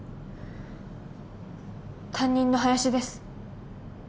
担任の林です